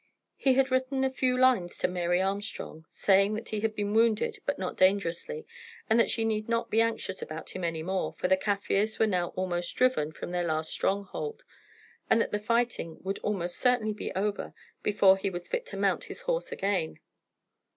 He had written a few lines to Mary Armstrong, saying that he had been wounded, but not dangerously, and that she need not be anxious about him any more, for the Kaffirs were now almost driven from their last stronghold, and that the fighting would almost certainly be over before he was fit to mount his horse again.